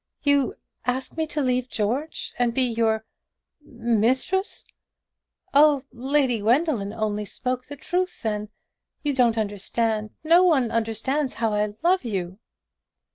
"You ask me to leave George, and be your mistress! Oh, Lady Gwendoline only spoke the truth, then. You don't understand no one understands how I love you!"